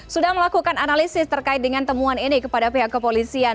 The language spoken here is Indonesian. sudah melakukan analisis terkait dengan temuan ini kepada pihak kepolisian